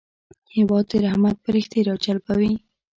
هېواد د رحمت پرښتې راجلبوي.